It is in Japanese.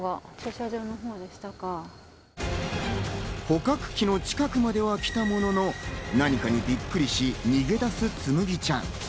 捕獲器の近くまでは来たものの何かにびっくりし逃げ出す、つむぎちゃん。